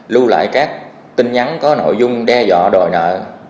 lưu lại các tin nhắn có nội dung đe dọa đòi nợ